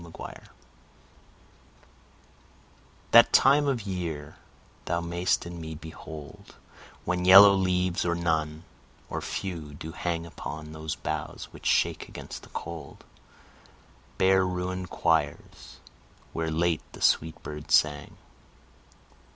LXXIII That time of year thou mayst in me behold When yellow leaves, or none, or few, do hang Upon those boughs which shake against the cold, Bare ruin'd choirs, where late the sweet birds sang.